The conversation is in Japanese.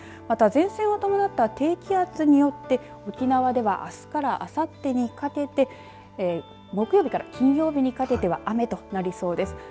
また前線を伴った低気圧によって沖縄ではあすから、あさってにかけて木曜日から金曜日にかけては雨となりそうです。